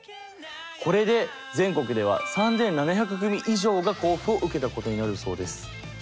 これで全国では３，７００組以上が交付を受けたことになるそうです。